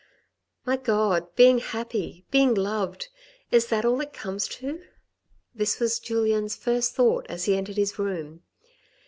" My God ! being happy — being loved, is that all it comes to ?" This was Julien's first thought as he entered his room.